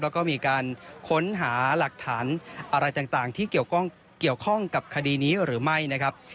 แล้วก็มีการค้นหาหลักฐานอะไรต่างที่เกี่ยวข้องกับคดีนี้หรือไม่นะครับ